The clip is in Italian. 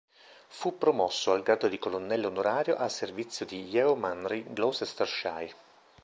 Fu promosso al grado di colonnello onorario al servizio del Yeomanry Gloucestershire.